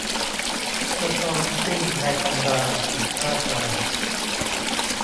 ก็พร้อมสิ้นในตำราถูกท่าทาง